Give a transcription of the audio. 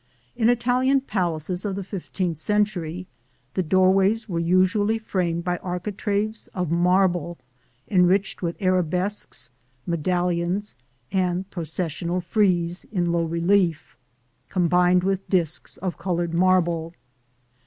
In Italian palaces of the fifteenth century the doorways were usually framed by architraves of marble, enriched with arabesques, medallions and processional friezes in low relief, combined with disks of colored marble.